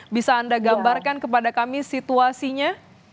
bisa anda gambarkan kepada kami situasinya